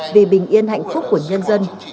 vì bình yên hạnh phúc của nhân dân